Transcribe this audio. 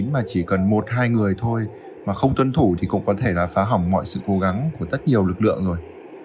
mà chỉ cần một hai người thôi mà không tuân thủ thì cũng có thể là phá hỏng mọi sự cố gắng của rất nhiều lực lượng rồi